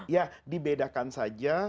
ya dibedakan saja